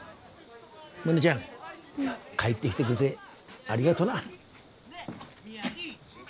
モネちゃん帰ってきてくれてありがとな。